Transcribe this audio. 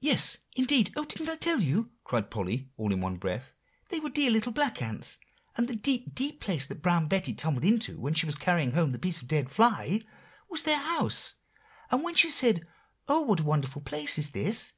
"Yes, indeed; oh! didn't I tell you?" cried Polly, all in one breath; "they were dear little black ants, and the deep, deep place that Brown Betty tumbled into when she was carrying home the piece of a dead fly, was their house. And when she said 'Oh, what a wonderful place is this!